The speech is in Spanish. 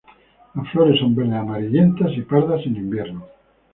Las flores son verde amarillentas, y pardas en invierno.